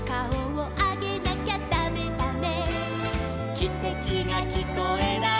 「きてきがきこえない」